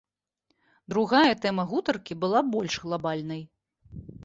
Другая тэма гутаркі была больш глабальнай.